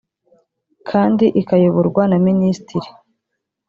kandi ikayoborwa na minisitiri